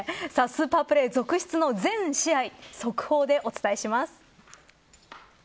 スーパープレー続出の全試合速報でお伝えします。